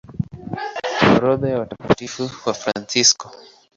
Orodha ya Watakatifu Wafransisko